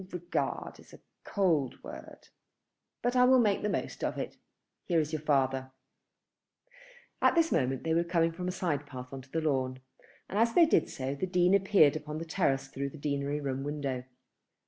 "Regard is a cold word, but I will make the most of it. Here is your father." At this moment they were coming from a side path on to the lawn, and as they did so the Dean appeared upon the terrace through the deanery room window.